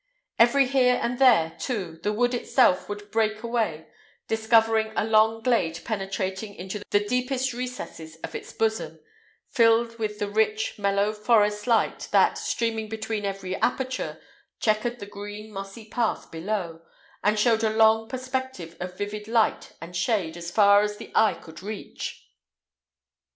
Every here and there, too, the wood itself would break away, discovering a long glade penetrating into the deepest recesses of its bosom, filled with the rich, mellow forest light, that, streaming between every aperture, chequered the green, mossy path below, and showed a long perspective of vivid light and shade as far as the eye could reach.